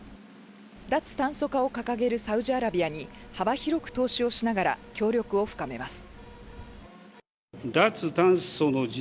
脱炭素化を掲げるサウジアラビアに幅広く投資をしながら協力を深めます。